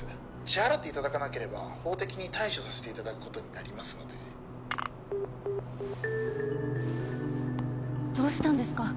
☎支払っていただかなければ法的に☎対処させていただくことになりますのでどうしたんですか？